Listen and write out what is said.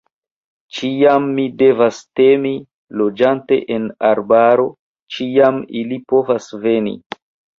Ĉiam mi devas timi, loĝante en arbaro, ĉiam ili povas veni!